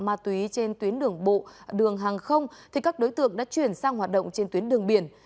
ma túy trên tuyến đường bộ đường hàng không thì các đối tượng đã chuyển sang hoạt động trên tuyến đường biển